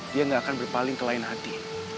dia nggak akan berpaling ke lain hati